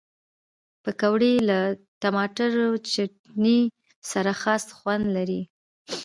پکورې له ټماټر چټني سره خاص خوند لري